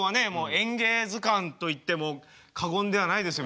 「演芸図鑑」と言っても過言ではないですよ